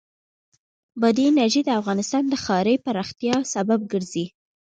بادي انرژي د افغانستان د ښاري پراختیا سبب کېږي.